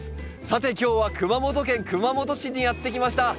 さて今日は熊本県熊本市にやって来ました。